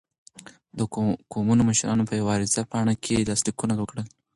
د قومونو مشرانو په یوه عرض پاڼه کې لاسلیکونه وکړل.